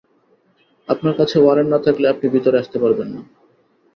আপনার কাছে ওয়ারেন্ট না থাকলে আপনি ভিতরে আসতে পারবেন না।